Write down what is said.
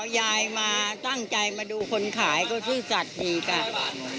ยายมาตั้งใจมาดูคนขายก็ซื่อสัตว์ดีจ้ะ